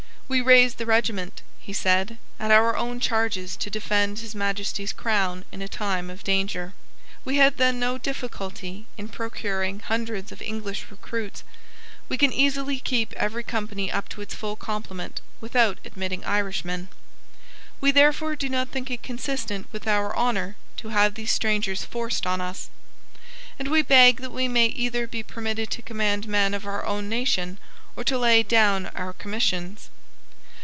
"We raised the regiment," he said, "at our own charges to defend His Majesty's crown in a time of danger. We had then no difficulty in procuring hundreds of English recruits. We can easily keep every company up to its full complement without admitting Irishmen. We therefore do not think it consistent with our honour to have these strangers forced on us; and we beg that we may either be permitted to command men of our own nation or to lay down our commissions."